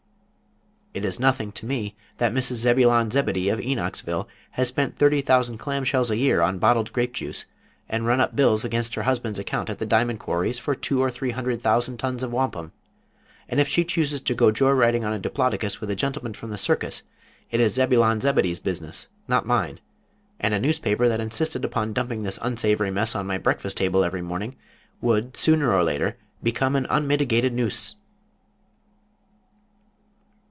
It is nothing to me that Mrs. Zebulon Zebedee, of Enochsville, has spent thirty thousand clam shells a year on bottled grape juice, and run up bills against her husband's account at the diamond quarries for two or three hundred thousand tons of wampum, and if she chooses to go joy riding on a Diplodocus with a gentleman from the Circus, it is Zebulon Zebedee's business, not mine, and a newspaper that insisted upon dumping this unsavory mess on my breakfast table every morning would sooner or later become an unmitigated nuis ...